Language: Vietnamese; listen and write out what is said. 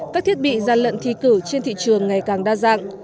các thiết bị gian lận thi cử trên thị trường ngày càng đa dạng